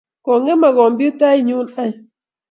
Kong'emak kompyutait nyu ain.